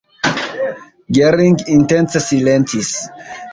Gering intence silentis.